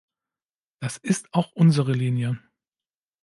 Das ist auch unsere Linie.